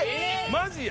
マジや！